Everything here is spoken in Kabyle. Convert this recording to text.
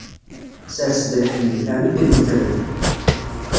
Sers-d lḥenni, rnu-d lmetred.